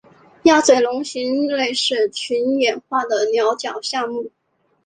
鸭嘴龙形类是群衍化的鸟脚下目。